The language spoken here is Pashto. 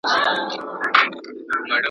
استادان او شاگردان یې دهقانان کړل ..